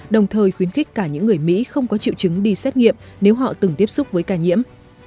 đồng thời khuyến khích cả những người mỹ không có triệu chứng đi xét nghiệm nếu họ từng tiếp xúc với ca nhiễm